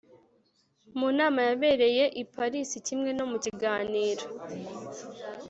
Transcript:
mu nama yabereye i parisi kimwe no mu kiganiro